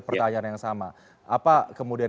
pertanyaan yang sama apa kemudian